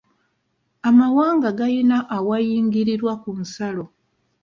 Amawanga gayina awayingirirwa ku nsalo.